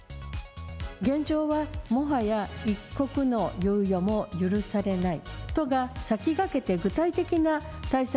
現状は、もはや一刻の猶予も許されない。